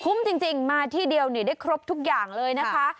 จริงมาที่เดียวได้ครบทุกอย่างเลยนะคะ